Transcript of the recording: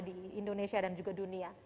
di indonesia dan juga dunia